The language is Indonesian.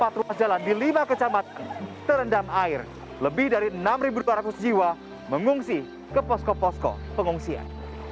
terendam air lebih dari enam dua ratus jiwa mengungsi ke posko posko pengungsian